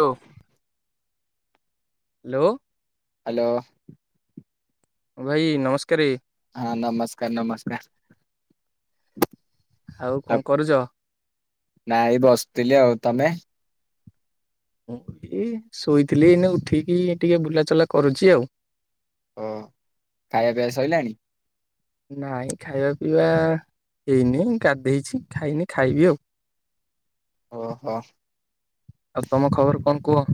ଦୋ ଲୋ ହାଲୋ ଓ ଭାଇ ନମସ୍କାରେ। ହଁ ନମସ୍କାର ନମସ୍କାର। ଆଉ କଣ କରୁଚ? ନାଇଁ ବସିଥିଲି ଆଉ ତମେ? ମୁଁ ଏଇ ଶୋଇଥିଲି ଏଇନେ ଉଠିକି ଟିକେ ବୁଲାଚୁଲା କରୁଚି ଆଉ। ଓ ଖାଇବା ପିଇବା ସଇଲାଣି? ନାଇଁ ଖାଇବା ପିଇବା ହେଇନି ମୁଁ ଗାଧେଇଚି ଖାଇନି ଖାଇବି ଆଉ। ଓହ। ଆଉ ତମ ଖବର କଣ କୁହ?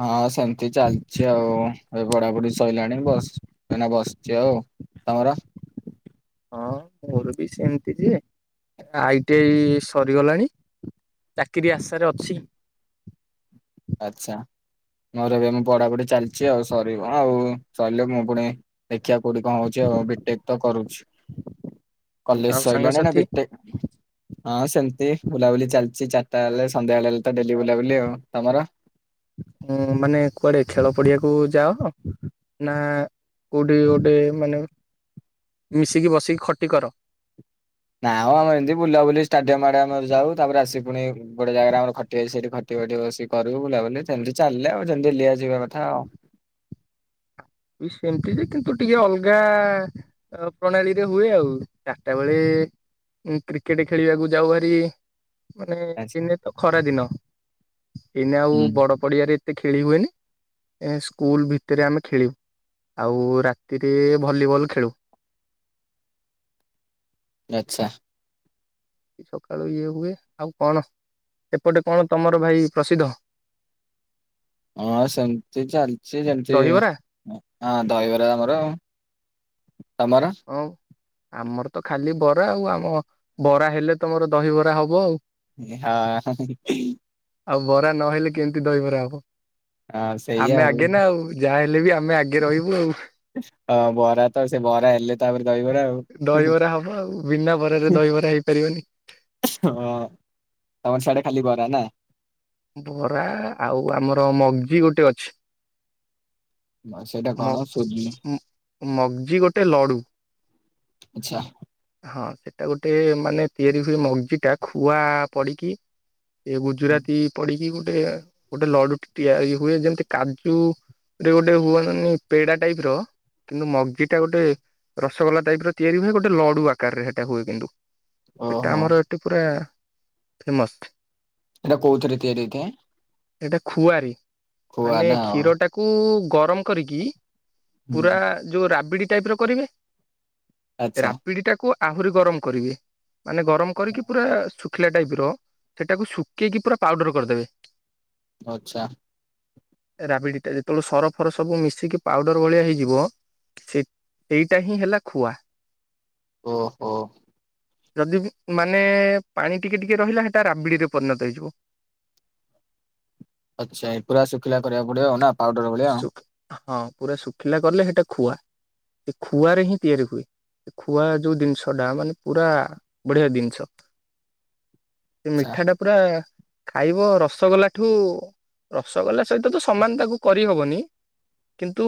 ହଁ ସେମ୍ ତି ଚାଲିଚି ଆଉ ଏ ବଢାବୁଢି ସ ସଇଲାଣି ବସ ଏନା ବସଛି ଆଉ ତମର? ହଁ ମୋର ବି ସେମିତି ଯେ ଆଇଟି ଆଇ ସରିଗଲାଣି ଚାକିରି ଆଶାରେ ଅଛି। ଆଚ୍ଛା ମୋର ଏବେ ବଢା ବଢି ଚାଲିଛି ଆଉ ସରିବ ଆଉ ସାଇଲେ ମୁଁ ଫୁଣି ସେ କିଆ କୋଉଠି କଣ ହଉଛି ଆଉ ବିଟେକ ତ କରୁଛି କଲେଜ ଆଉ ସଇଲାଣି ନା ସାଙ୍ଗସାଥି ବିଟେକ ହଁ ସେମିତି ବୁଲାବୁଲି ଚାଲିଚଛି ଚାରିଟା ବେଳେ ସନ୍ଧ୍ୟା ବଳେ ଡେଲି ବୁଲାବୁଲି ଆଉ ତମର ହୁଁ ମାନେ କୁଆଡେ ଖେଳ ପଡିଆକୁ ଯାଅ ନା କୋଉଠି ଗୋଟେ ମାନେ ମିଶିକି ବସିକି ଖଟି କର। ନା ଆଉ ଆମ ଏମତି ବୁଲାବୁଲି ଷ୍ଟାଡିୟମ ଆଡେମର ଯାଉ ତାପରେ ଆସି ପୁଣି ଗୋଟେ ଜାଗାରେ ଆମର ଖଟି ହୁଏ ସେଠି ଘଟି ଘଟି ବସ କରିବୁ ବୁଲାବୁଲି ସେମିତି ଚାଲିଲେ ଆଉ ଯେମିତି ଲିଆ ଯିବା କଥା ଆଉ ବି ସେମିତି ଯେ କିନ୍ତୁ ଟିକେ ଅଲଗା ପ୍ରଣାଳୀରେ ହୁଏ ଆଉ ଚାରିଟା ବେଳେ କ୍ରିକେଟ ଖେଳିବାକୁ ଯାଉ ହାରି ମାନେ ଆଚ୍ଛା ଦିନେ ତ ଖରା ଦିନ ଏଇନେ ଆଉ ହୁଁ। ବଡ ପଡିଆରେ ଏତେ ଖେଳି ହୁଏନି ଏ ସ୍କୁଲ ଭିତରେ ଆମେ ଖେଳିବୁ। ଆଉ ରାତିରେ ଭଲିବଲ ଖେଳୁ। ଆଚ୍ଛା! ସକାଳୁ ଇଏ ହୁଏ ଆଉ କଣ ଏପଟେ କଣ ତମର ଭାଇ ପ୍ରସିଦ୍ଧ? ହଁ ସେମିତି ଚାଲିଛି ଯେମିତି ଦହିବରା ହଁ ଦହିବରା ଆମର ଆଉ ତମର। ହଁ ଆମର ତ ଖାଲି ବରା ଆଉ ଆମ ବରା ହେଲେ ତମର ଦହିବରା ହବ ଆଉ। ହଁ ଆଉ ବରା ନହେଲେ କେମିତି ଦହିବରା ହବ ହଁ ସେଇଆ ଆମେ ଆଗେ ନା ଆଉ ଯାହା ହେ ହେଲେଵି ଆ ହଁ ବରା ତ ସେ ବରା ହେଲେ ତାପରେ ଦହିବରା ଆଉ। ଦହିବରା ହବ ଆଉ ବିନା ବରାରେ ଦହିବରା ହେଇପାରିବନି । ହଁ ତମର ସିଆଡେ ଖାଲି ବରା ନା । ବରା ଆଉ ଆମର ମଗ୍ଜି ଗୋଟେ ଅଛି। ସେଇଟା କଣ ସୁଜି ମଗଜି ଗୋଟେ ଲଡୁ ଆଚ୍ଛା। ହଁ। ସେଟା ଗୋଟେ ମାନେ ତିଆରି ହୁଏ ମଗଜି ଟା ଖୁଆ ପଡିକି ଟିକେ ଗୁଜୁରାତି ପଡ଼ିକି ଗୋଟେ ଗୋଟେ ଗୋଟେ ଲଡ଼ୁ ତିଆରି ହୁଏ ଯେମିତି କାଜୁ ରେ ଗୋଟେ ହୁଅନ୍ତି ମାନେ ପେଡା ଟାଇପ ର କିନ୍ତୁ ମଗ୍ଜି ଟା ଗୋଟେ ରସଗୋଲା ଟାଇପ ର ତିଆରି ହୁଏ ଗୋଟେ ଲଡୁ ଆକାରରେ ସେଇଟା ହୁଏ କିନ୍ତୁ ଏଟା ଓହୋ ଆମର ଏଠି ପୁରା ଫେମସ୍। ଏଇଟା କୋଉଥିରେ ତିଆରି ହେଇଥାଏ? ଏଇଟା ଖୁଆରି ଖୁଆ ମାନେ ନା ଆଉ କ୍ଷୀର ଟାକୁ ଗରମ କରିକି ହୁଁ ପୁରା ଯୋଉ ରାବିଡି ଟାଇପର କରିବେ ଆଚ୍ଛା। ରାବିଡ଼ି ଟାକୁ ଆହୁରି ଗରମ କରିବି ମାନେ ଗରମ କରିକି ପୁରା ଶୁଖିଲା ଟାଇପ ର ସେଟାକୁ ଶୁଖେଇକି ପୂରା ପାଉଡର କରିଦେବେ ଆଛା ରାବିଡ଼ି ଟା ଯେତେବେଳେ ସର ଫର ସବୁ ମିଶିକି ପାଉଡ଼ର ଭଳିଆ ହେଇଯିବ ସେଇ ସେଇଟା ହିଁ ହେଲା ଖୁଆ। ଓହୋ ଯଦି ମାନେ ପାଣି ଟିକେ ଟିକେ ରହିଲା ସେଟା ରାବିଡ଼ିରେ ପରିଣତ ହେଇଯିବ ଆଚ୍ଛା ପୁରା ଶୁଖିଲା କରିବାକୁ ପଡିବ ଆଉ ନା ପାଉଡ଼ର ଭଳିଆ ଆଉ ଶୁଖ ହଁ ପୁରା ଶୁଖିଲା କଲେ ସେଇଟା ଖୁଆ ସେ ଖୁଆରେ ହିଁ ତିଆରି ହୁଏ ଖୁଆ ଯୋଉ ଜିନିଷ ଟା ମାନେ ପୁରା ବଢିଆ ଜିନିଷ। ସେ ଆଚ୍ଛା ମିଠା ଟା ପୁରା ଖାଇବ ରସଗୋଲା ଠୁ ରସଗୋଲା ସହିତ ତ ସମାନ ତାକୁ କରିହବନି କିନ୍ତୁ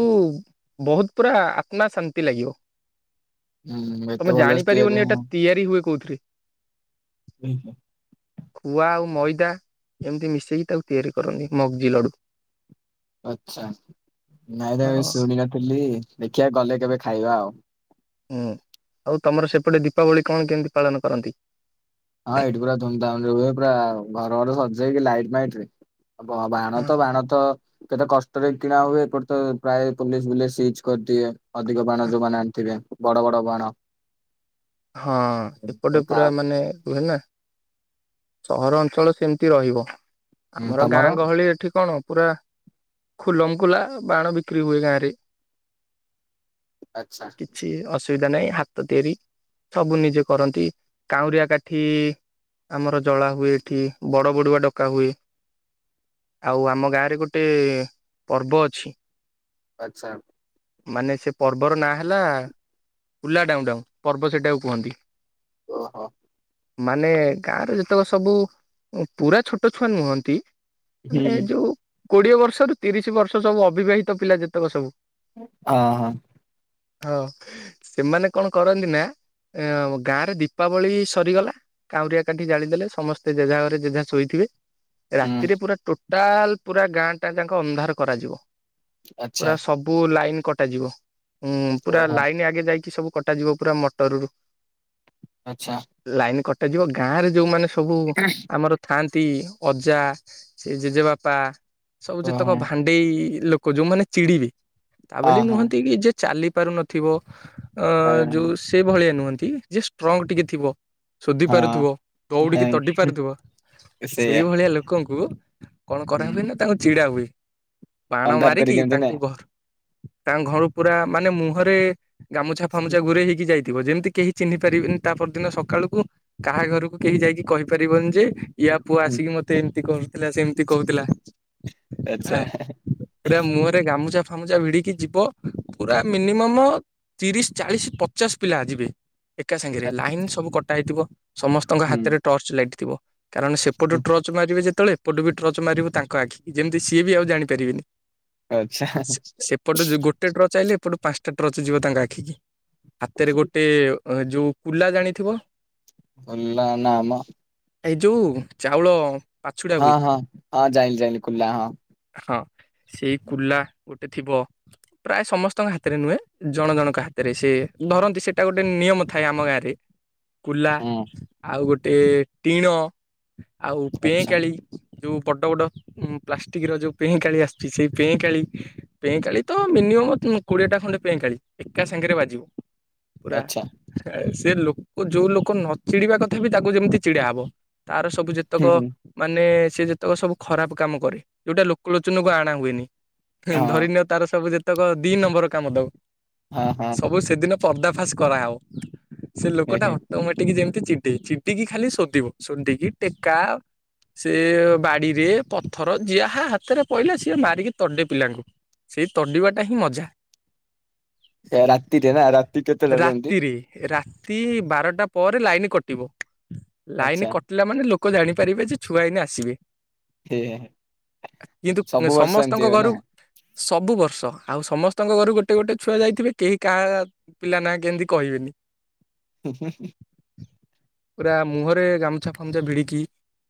ବହୁତ ପୁରା ଆତ୍ମା ଶାନ୍ତି ଲାଗିବ। ହୁଁ ଏତେ ତମେ ଭଲସେ ତିଆରି ଜାଣିପାରିବନି ହବ। ଏଟା ତିଆରି ହୁଏ କୋଉଥିରେ [unintelligible] ହୁଁ ଖୁଆ ଆଉ ମଇଦା ଏମିତି ମିଶେଇକି ତାକୁ ତିଆରି କରନ୍ତି ମଞ୍ଜି ଲଡୁ। ଆଛା ନାଇଁ ତା ହଁ ଏ ଶୁଣି ନଥିଲି ଦେଖିବା ଗଲେ କେବେ ଖାଇବା ଆଉ ହୁଁ ଆଉ ତମର ସେପଟେ ଦୀପାବଳି କଣ କେମିତି ପାଳନ କରନ୍ତି। ହଁ ଏଇଠି ପୁରା ଧୁମଧାମ ରେ ହୁଏ ପୁରା ଘର ଫର ସଜାଇକି ଲାଇଟ ମାଇଟ ରେ ହ ବାଣ ତ ବାଣ ତ କେତେ କଷ୍ଟରେ କିଣା ହୁଏ ଏପଟ ତ ପ୍ରାୟ ପୋଲିସ ଫୋଲିସ ସିଜ କରିଦିଏ। ଅଧିକ ବାଣ ଯୋଉମାନେ ଆଣିଥିବେ ବଡ଼ ବଡ଼ ବାଣ ହଁ ସେପଟେ ଆଉ ତା ପୁରା ମାନେ କୁହେନା ସହର ଅଞ୍ଚଳ ସେମିତି ରହିବ? ହୁଁ, ଆମର ତମର ଗାଁ ଗହଳି ଏଠି କଣ? ପୁରା ଖୁଲମଖୁଲା ବାଣ ବିକ୍ରି ହୁଏ ଗାଁ ରେ। ଆଚ୍ଛା କିଛି ଅସୁବିଧା ନାହିଁ। ହାତ ତିଆରି ସବୁ ନିଜେ କରନ୍ତି କାଉଁରିଆ କାଠି ଆମର ଜଳା ହୁଏ ଏଠି ବଡ ବଡୁଆ ଡକା ହୁଏ ଆଉ ଆମ ଗାଁ ରେ ଗୋଟେ ପର୍ବ ଅଛି। ଆଚ୍ଛା। ମାନେ ସେ ପର୍ବର ନାଁ ହେଲା କୁଲା ଡାଉଁ ଡାଉଁ। ପର୍ବ ସେଇଟାକୁ କୁହନ୍ତି। ଓ ହୋ। ମାନେ ଗାଁରେ ଯେତକ ସବୁ ପୁରା ଛୋଟ ଛୁଆ ନୁହନ୍ତି ହୁଁ ଏ ଯୋଉ କୋଡିଏ ବର୍ଷରୁ ତିରିଶ ବର୍ଷ ସବୁ ଅବିବାହିତ ପିଲା ଯେତେକ ସବୁ। ହଁ ହଁ। ହଁ ସେମାନେ କଣ କରନ୍ତି ନା ଗାଁ ରେ ଦୀପାବଳି ସରିଗଲା କାଉରିଆ କାଣ୍ଠି ଜାଳିଦେଲେ ସମସ୍ତେ ଜେଜା ଘରେ ଜେଜା ଶୋଇଥିବେ। ହୁଁ ରାତିରେ ପୁରା ଟ ଟାଲ ପୁରା ଗାଁ ଟା ଯାକ ଅନ୍ଧାର କରାଯିବ। ଆଚ୍ଛା ପୁରା ସବୁ ଲାଇନ କଟାଯିବ। ହୁଁ ପୁରା ଓହୋ ଲାଇନ ଆଗେ ଯାଇକି ସବୁ କଟାଯିବ। ପୁରା ମଟରରୁ। ଆଚ୍ଛା ଲାଇନ୍ କଟ ଯିବ ଗାଁରେ ଯୋଉମାନେ ସବୁ ଆମର ଥାଆନ୍ତି ତି ଅଜା ସେ ଜେଜେବାପା ସବୁ ଓହୋ। ଯେତେକ ଭାଣ୍ଡେଇ ଲୋକ ଯୋଉମାନେେ ଚିଡି ବେ ତା ହଁ ବୋଲି ହଁ ନୁହଁନ୍ତି କି ଯେ ଚାଲି ପାରୁନଥିବ- ଅ ହଁ ଯୋଉ ସେ ଭଳିଆ ନୁହନ୍ତି ଯେ ଷ୍ଟ୍ରଙ୍ଗ ଟିକେ ଥିବ- ଶୋଧି ହଁ ପାରୁଥିବ ଦଉଡିକି ହେଁ, ତଟି ପାରୁଥିବ ସେଇଆ ସେଇଭଳିଆ ଲୋକଙ୍କୁ କଣ କରା ହୁଁ ହୁଏ ନା ତାଙ୍କୁ ଚିଡା ହୁଏ। ବାଣ ଅନ୍ଧାର କରି ମାରିକି କେମିତି ନେ ତାଙ୍କୁ ଘରୁ- ତା ଘରୁ ପୁରା ମାନେ ମୁହଁରେ- ଗାମୁଛା ଫାମୁଛା ଗୁରେଇ- ଯାଇଥିବ ଯେମିତି କେହି ଚିହ୍ନି ପାରିବେନି ତା ପରଦିନ ସକାଳୁକୁ କାହା ଘରକୁ କେହି ଯାଇକି କହିପାରିବନି ଯେ- ୟା ପୁଅ ଆସିକି ମତେ ଏମତି କରୁଥିଲା ସେ ଏମିତି କହୁଥିଲା ଆ ଆଚ୍ଛା ପୁରା ମୁହଁରେ ଗାମୁଛା- ଗାମୁଜା ଭିଡ଼ିକି ଯିବ ପୁରା ମିନିମମ ତିରିଶ ଚାଳିଶ ଚସ୍ ପିଲା ଯିବେ ଏକା ସାଙ୍ଗେରେ ଆ- ଲାଇନ ସବୁ କଟା ହେଇଥିବ ସମସ୍ତଙ୍କ ହୁଁ। ହାତରେ ଟର୍ଚ୍ଚ ଲାଇଟିି ଥିବ କାରଣ ସେପଟୁ ହୁଁ, ଟ୍ରର୍ଚ୍ଚ ମାରିବେ ଯେ କେତେବେଳେ ଏପଟୁ ବି ଟ୍ରର୍ଚ୍ଚ ମାରିବୁ ତାଙ୍କ ଆଖି ଯେମିତି ସଏ ବି ଆ ଜାଣିପାରିବେନି। ଆଚ୍ଛା ସେପଟେ ଯୋଉ ଗୋଟେ ଟ୍ରର୍ଚ୍ଚ ଆଇଲେ ଏପଟୁ ପାଞ୍ଚଟା ଟ୍ରର୍ଚ୍ଚ ଯିବ ତାଙ୍କ ଆଖିକି ହାତରେ ଗୋଟେ ଯେଉଁ କୁଲା ଜାଣିଥିବ ଓଲା ନାମ ଏଇ ଯୋଉଁ ଚାଉଳ ପାଛୁଡା ହଁ ହୁଏ ହଁ ହଁ ଜାଇଁଲି ଜାଇଁଲି କୁଲା ହଁ ହଁ ସେଇ କୁଲା ଗୋଟେ ଥିବ ପ୍ରାୟ ସମସ୍ତଙ୍କ ହାତରେ ନୁହେଁ ଜଣ ଜଣଙ୍କ ହାତରେ ସେ ଧରନ୍ତି ସେଇଟା ଗୋଟେ ନିୟମ ଥାଏ ଆମ ଗାଁ ରେ କୁଲା ହୁଁ ଆଉ ଗୋଟେ ଏ ଟିଣ ଆଉ ଆଚ୍ଛା ପେଁକାଳୀ ଯୋଉ ବଡ଼ ବଡ଼ ପ୍ଲାଷ୍ଟିକର ଯୋଉ ପେଇଁକାଳି ଆସିଛି, ସେଇ ପେଁକାଳୀ ପେଁକାଳୀ ତ ମିନିମମ୍ କୋଡିଏଟା ଖଣ୍ଡେ ପେଁ କାଳୀ ଏକା ସାଙ୍ଗରେ ବାଜିବ ପୁରା ଆଚ୍ଛା [unintelligible] ସେ ଲୋକ ଯୋଉ ଲୋକ ନଚିଡିବା କଥା ବି ତାକୁ ଯେମିତି ଚିଡାହବ ତାର ସବୁ ହୁଁ ଯେତେକ ହୁଁ ମାନେ ସେ ଯେତେକ ସବୁ ଖରାପ କାମ କରେ ଯୋଉଟା ଲୋକଲୋଚନକୁ ଆଣା ହୁଏନି। ହଁ ଧରିନିଅ ତାର ସବୁ ଯେତେ ତାକୁ [unintelligible] ଦି ନମ୍ବର କାମ ଦଉ ହଁ ହଁ ସବୁ ସେଦିନ ପର୍ଦ୍ଦାଫାଶ କରାହେଉ ସେ ହେ ଲୋକଟା ହେ ଅଟୋମେଟିକ କି ଯେମିତି ତେ ଚିଡେ ଚିଡ଼ିକି ଖାଲି ଶୋଧିବ ଶୋଧିକି ଟେକା ସେ ବାଡିରେ ପଥର ଯାହା ହାତରେ ପଇଲା ସିଏ ମାରିକି ତଡେ ପିଲାଙ୍କୁ ସେଇ ତଡିବାଟା ହିଁ ମଜା [unintelligible] [unintelligible] ରାତି କେତେଟା ଏମତି ରାତିରେ ରାତି ବାରଟା ପରେ ଲାଇନ କଟିବ ଲାଇନ ଆଚ୍ଛା କଟିଲା ମାନେ ଲ ଲୋକ ଜାଣିପାରିବେ ଯେ ଛୁଆ ଏଇନା ଆସିବେ ହେ ହେ ହେ। କିନ୍ତୁ ସବୁ ବର୍ଷ ଏମିତି ସମସ୍ତଙ୍କ ହୁଏ ନା ଘରୁ ସବୁ ବର୍ଷ ଆଉ ସମସ୍ତଙ୍କ ଘରୁ ଗୋଟେ ଗୋଟେ ଛୁଆ ଯାଇଥିବେ କେହି କାହା ପିଲା ନା କେମିତି କହିବେନି ହୁଁ ହୁଁ ପୁରା ମୁହଁରେ ଗାମୁଛା ଫାମଛା ଭିଡିକି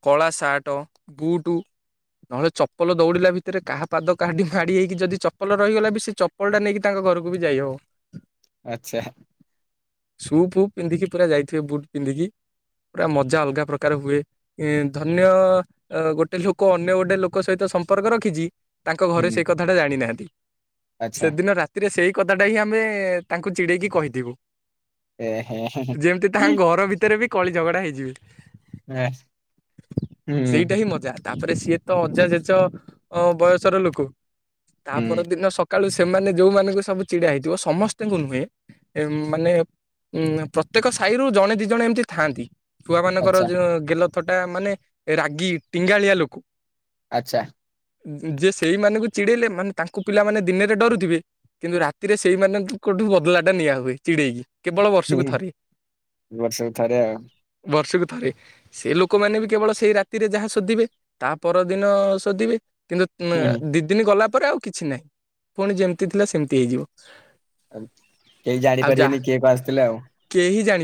କଳା ସାର୍ଟ ବୁଟ ନହେଲେ ଚପଲ ଦୌଡିଲା ଭିତରେ କାହା ପାଦ କାଡିି ମାଡି ହେଇକି ଯଦି ଚପଲ ରହିଗଲା ବି ସେ ଚପଲ ଟା ନେଇକି ତାଙ୍କ ଘରକୁ ବି ଯାଇ ହବ ଆଛା ସୁପୁ ପିନ୍ଧିକି ପୁରା ଯାଇଥିବେ ବୁଟ ପିନ୍ଧିକି ପୁରା ମଜା ଅଲଗା ପ୍ରକାର ହୁଏ ଧନ୍ୟ ଗୋଟେ ଲୋକ ଅନ୍ୟ ଗୋଟେ ଲୋକ ସହିତ ସମ୍ପର୍କ ରଖିଛି। ତାଙ୍କ ଘରେ ହୁଁ ସେଇ କଥାଟା ଜାଣିନାହାନ୍ତି। ଆଚ୍ଛା ସେଦିନ ରାତିରେ ସେଇ କଥାଟା ହିଁ ଆମେ ତାଙ୍କୁ ଚିଡ଼େଇକି କହିଥିବୁ ଏ ହେ ହେ ଯେମିତି ତାଙ୍କ ଘର ଭିତରେ ବି କଳି ଝଗଡ଼ା ହେଇଯିବେ ହେ ଏ, ସେଇଟା ହୁଁ ହିଁ ମଜା ତାପରେ ସିଏ ତ ଅଜା ଜଜ ଅ ବୟସର ଲୋକ ତା ପର ହୁଁ ଦିନ ସକାଳୁ ସେ ସେମାନେ ଯେଉଁମାନଙ୍କୁ ସବୁ ଚିଡ଼ିଡ଼ଆ ହେଇଥିବ ସମସ୍ତେ ତାଙ୍କୁ ନୁହେଁ ମାନେ ଉ ପ୍ରତ୍ୟେକ ସାହିରୁୁ ଜଣେ ଦି ଜଣେ ଏମିତି ଥାଆନ୍ତି ଛଆ ମାନଙ୍କର ଆଚ୍ଛା ଯୋଉ ଗେଲ କଥଟା ମାନେ ରାଗି ଟିଙ୍ଗାଳିଆ ଲୋକ ଆଛା ଯେ ସେଇମାନଙ୍କୁ ଚିଡେଇଲେ ମାନେ ତାଙ୍କୁ ପିଲାମାନେ ଦିନରେ ଡରୁଥିବେ କିନ୍ତୁ ରାତିରେ ସେଇମାନେ କୋଠ ବଦଳା ଟା ନିଆ ହୁଏ। ଚିଡେଇକି କେବଳ ହୁଁ ବର୍ଷକୁ ଥରେ ବର୍ଷକୁ ଥରେ ଆଉ ବର୍ଷକୁ ଥରେ ସେ ଲୋକମାନେ ବି କେବଳ ସେଇ ରାତିରେ ଯାହା ସୋଧିବେ ତା ପରଦିନ ଶଧିବେ ହୁଁ ହୁଁ। କିନ୍ତୁ ଦି ଦିନ ଗଲା ପରେରେ ଆଉ କିଛି ନାହିଁ ପୁଣି ଯେମିତି ଥିଲା ସେମିତି ହେଇଯିବ କେହି ଜାଣିପାରିବେନି କିଏ କ ଆସିଥିଲେ ଆଉ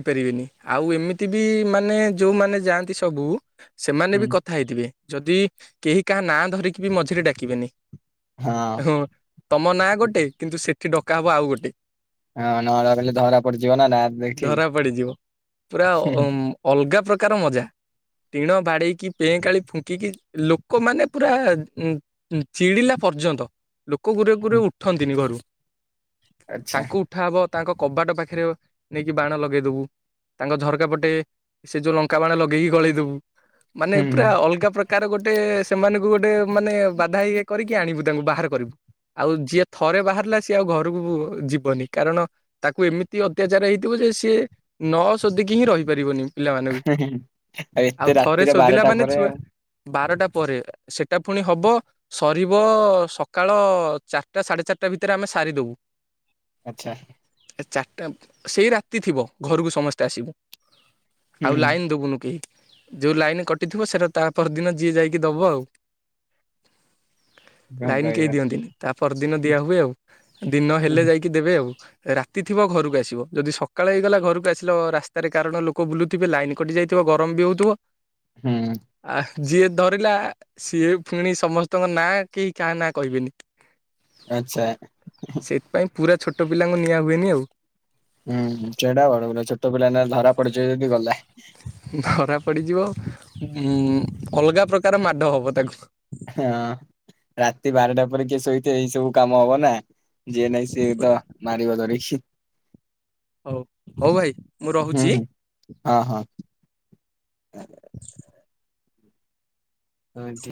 ପାରିବେନି ଆଉ ଏମିତି ବି ମାନେ ଯୋଉମାନେ ଯାଆନ୍ତି। ସବୁ ସେମାନେ ବି ହୁଁ କଥା ହେଇଥିବେ। ଯଦି କେହି କାହା ନାଁ ଧରିକି ବି ମଝିରେ ଡାକିବେନି। ହଁ ତମ ନାଁ ଗୋଟେ କିନ୍ତୁ ସେଠ କି ଡକା ହବ ଆଉ ଗୋ ହେ। ହଁ ନହଲେ ବଲେ ଧରା ପଡିଯିବ ନା ଦେଖି ଧରା ପଡିଯିବ ପୁରା ଅଲଗା ପ୍ରକାର ମଜା ଟିଣ ବାଡେଇକି ପେଁ କାଳି ଫୁଙ୍କିକି ଲୋକମାନେ ପୁରା ଚିଡିଲା ପର୍ଯ୍ୟନ୍ତ ଲୋକ କୁରେ କୁରେ ହୁଁ। ଉଠନ୍ତିନି ଘରୁ ଆଚ୍ଛା ତାଙ୍କୁ ଉଠାବ ତାଙ୍କ କବାଟ ପାଖରେ ନେଇକି ବାଣ ଲଗେଇଦବୁ, ତାଙ୍କ ଝରକା ପଟେ ସେ ଯୋଉ ଲଙ୍କା ବାଣ ଲଗେଇକି ଗଳେଇ ଦବୁ। ମାନେ ହୁଁ ହୁଁ। ପୁରା ଅଲଗା ପ୍ରକାର ଗୋଟେ ସେମାନେ ଗୋଟେ ମାନେ ବାଧା ଇଏ କରିକି ଆଣିବୁ ତାଙ୍କୁ ବାହାର କରିବୁ। ଆଉ ଯିଏ ଥରେ ବାହାରିଲା ସିଏ ଆଉ ଘର ଘରକୁ ଯିବନି କାରଣ ତାକୁ ଏମିତି ଅତ୍ୟାଚାର ହେଇଥିବ ଯେ ସିଏ ନ ଶୋଧିକି ହିଁ ରହିପାରିବନି । ଆଉ ଏତେ ରାତିରେ ଶୋଧିଲା ବାରଟା ମାନେ ପରେ ଛୁଆ ଆଉ ବାରଟା ପରେ ସେଟା ପୁଣି ହବ ସରିବ ସକାଳ ଚାରଟା ସାଢ଼େ ଚାରଟା ଭିତରେ ଆମେ ସାରିଦବୁ। ଆଚ୍ଛା। ଏ ଚାଟା ସେଇ ରାତି ଥିବ ଘରକୁ ସମସ୍ତେ ଆସିବୁ। ହୁଁ ଆଉ ହୁଁ ଲାଇନ୍ ଦବୁନୁ କେହି। ଯୋଉ ଲାଇନ୍ କଟିଥିବ ସେଟା ତା ପର ଦିନ ଯିଏ ଯାଇକି ଦବ ଆଉ। କଣ ଲାଇନ୍ କେହି କହିବ ଦିଅନ୍ତିନି, ତା ପରଦିନ ଦିଆ ହୁଏ ଆଉ। ଦିନ ହୁଁ ହେଲେ ଯାଇକି ଦେବେ ଆଉ। ରାତି ଥିବ ଘରକୁ ଆସିବ, ଯଦି ସକାଳ ହେଇଗଲା ଘରକୁ ଆସିଲ ରାସ୍ତାରେ କାରଣ ଲୋକ ବୁଲୁଥିବେ ଲାଇନ୍ କଟି ଯାଇଥିବ ଗରମ ବି ହଉଥିବ । ହୁଁ। ଆ, ଯିଏ ଧର ପିଲା ସିଏ ପୁଣି ସମସ୍ତଙ୍କ ନାଁ କେହି କାହା ନାଁ କହିବେନି। ଆଚ୍ଛା। ସେଇଥିପାଇଁ ପୁରା ଛୋଟ ପିଲାଙ୍କୁ ନିଆଁ ହୁଏନି ଆଉ। ଉଁ ହୁଁ ଚେଡା ବଡ ପିଲି ଛୋଟପିଲାମାନେ ଧରା ପଡିଯିବେ ଯଦି ଗଲା। ଧରା ପଡିଯିବ ଉଁ, ଅଲଗା ପ୍ରକାର ମାଡ଼ ହବ ତାକୁ। ହଁ ରାତି ବାରଟା ପରେ କିଏ ଶୋଇଥିବ ଏହି ସବୁ କାମ ହବ ନା। ଯିଏ ନାଇଁ ସିଏ ତ ମାରିିବ ଧରିକି। ହଉ ହଉ ଭାଇ ମୁଁ ହୁଁ ରହୁଚି। ହୁଁ ହଁ [inaudible] ହଁ ଠି